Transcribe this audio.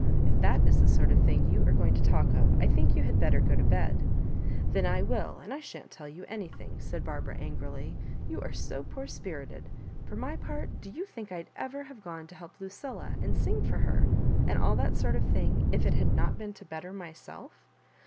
If that is tlie sort of thing you are going to talk of, I think you had bettct go to bed." Then I will, and I shan't tell you anything," said Barbara, angrily —you are so poor spirited. For my part, do you think I'd ever have gone to help Lucilla and sing for her, and all that sort of thing, if it had not been to better myself?